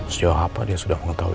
sejauh apa dia sudah mengetahui